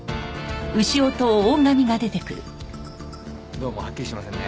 どうもはっきりしませんね。